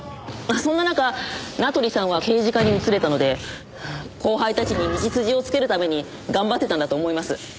そんな中名取さんは刑事課に移れたので後輩たちに道筋をつけるために頑張ってたんだと思います。